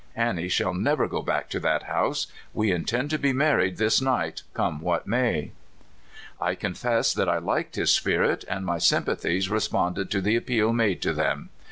Annie shall never go back to that house. We intend to be married this night, come what may! I confess that I liked his spirit, and my sympa thies responded to the appeal made to them.